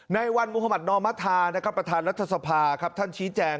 ในวันมุธมัตินอมธาประธานรัฐศพาท่านชี้แจง